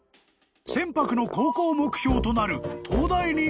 ［船舶の航行目標となる］